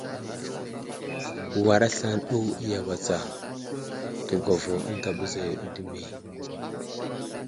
War aslane ɗo iyaway tsa, təgwavo ənta bəza yo ɗi dəme !